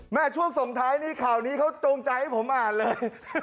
ช่วงส่งท้ายนี้ข่าวนี้เขาจงใจให้ผมอ่านเลย